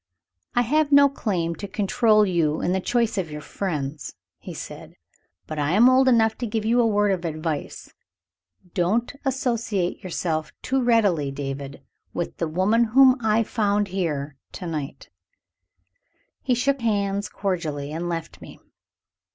"I have no claim to control you in the choice of your friends," he said; "but I am old enough to give you a word of advice. Don't associate yourself too readily, David, with the woman whom I found here to night." He shook hands cordially, and left me.